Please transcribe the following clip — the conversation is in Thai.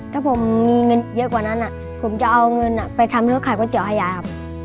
ถ้าผมมีเงินเยอะกว่านั้นผมจะเอาเงินไปทำให้รถขายก๋วเตี๋ให้ยายครับ